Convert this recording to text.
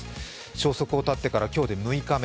消息を絶ってから今日で６日目。